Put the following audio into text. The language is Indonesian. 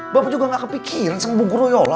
bapak juga nggak kepikiran sama bu guryola